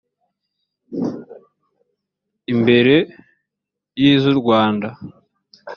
imbere y iz u rwanda